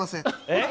えっ？